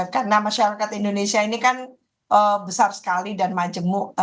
karena masyarakat indonesia ini kan besar sekali dan majemuk